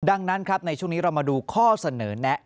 ดังนั้นครับในช่วงนี้เรามาดูข้อเสนอแนะ